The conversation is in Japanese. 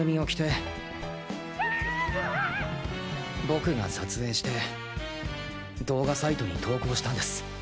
僕が撮影して動画サイトに投稿したんです。